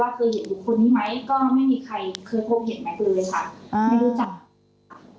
ว่าเคยเห็นลูกคนนี้ไหมก็ไม่มีใครเคยพบเห็นแม็กซ์เลยค่ะ